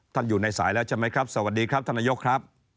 อยู่ในสายแล้วใช่ไหมครับสวัสดีครับท่านนายกครับ